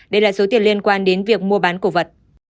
đây là số tiền liên quan đến việc mua bán cổ vật